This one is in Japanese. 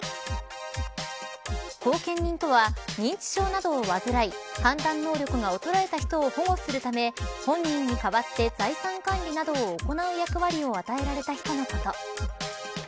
後見人とは認知症などを患い判断能力が衰えた人を保護するため本人に代わって財産管理などを行う役割を与えられた人のこと。